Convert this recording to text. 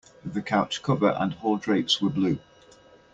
The couch cover and hall drapes were blue.